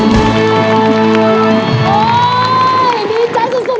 แต่งด้วยตัวนั้น